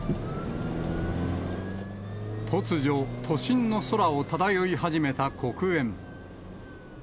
突如、都心の空を漂い始めた黒煙。